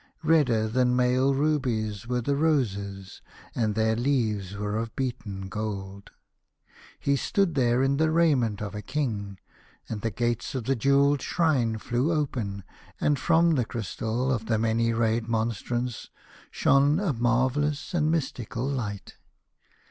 Redder than male rubies were the roses, and their leaves were of beaten gold. He stood there in the raiment of a king, and the gates of the jewelled shrine flew open, and from the crystal of the many rayed mon strance shone a marvellous and mystical light.